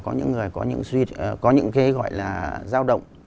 có những người có những cái gọi là giao động